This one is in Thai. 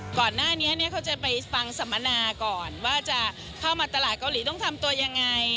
ก่อนหน้านี้เขาจะไปฟังสัมมนาก่อนว่าจะเข้ามาตลาดเกาหลีต้องทำตัวยังไง